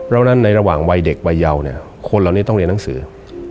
แล้วนั้นในระหว่างวัยเด็กวัยเยาเนี่ยคนเหล่านี้ต้องเรียนหนังสือ